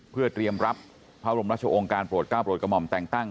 เพื่อเตรียมรับพระบรมราชองค์การโปรดก้าวโปรดกระหม่อมแต่งตั้ง